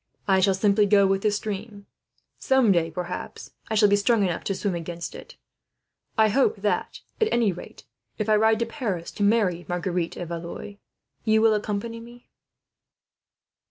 I shall simply go with the stream; some day, perhaps, I shall be strong enough to swim against it. I hope that, at any rate, if I ride to Paris to marry Marguerite of Valois, you will both accompany me."